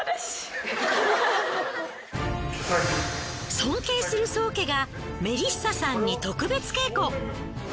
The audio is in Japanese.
尊敬する宗家がメリッサさんに特別稽古。